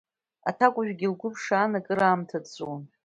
Аҭакәажәгьы лгәы ԥшаан, акыр аамҭа дҵәуон.